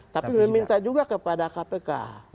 tapi meminta juga kepada kpk